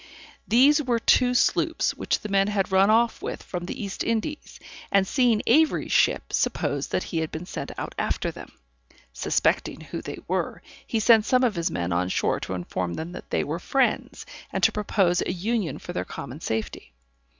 These were two sloops which the men had run off with from the East Indies, and seeing Avery's ship, supposed that he had been sent out after them. Suspecting who they were, he sent some of his men on shore to inform them that they were friends, and to propose a union for their common safety.